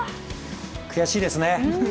悔しいですね。